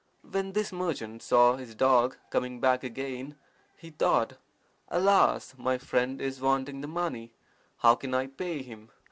When this merchant saw his dog coming back again, he thought, 'Alas! my friend is wanting the money. How can I pay him?